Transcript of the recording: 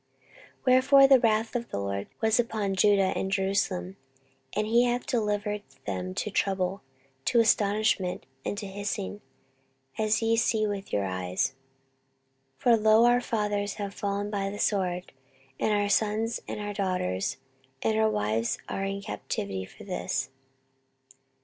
14:029:008 Wherefore the wrath of the LORD was upon Judah and Jerusalem, and he hath delivered them to trouble, to astonishment, and to hissing, as ye see with your eyes. 14:029:009 For, lo, our fathers have fallen by the sword, and our sons and our daughters and our wives are in captivity for this.